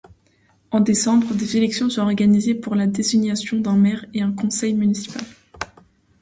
En décembre, des élections sont organisées pour la désignation d'un maire et conseil municipal.